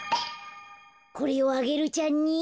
これをアゲルちゃんに。